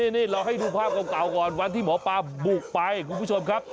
นี่เราให้ดูภาพเก่าก่อนวันที่หมอปลาบุกไปคุณผู้ชมครับ